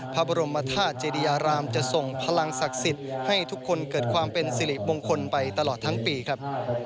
พระบรมธาตุเจดีอารามจะส่งพลังศักดิ์สิทธิ์ให้ทุกคนเกิดความเป็นสิริมงคลไปตลอดทั้งปีครับ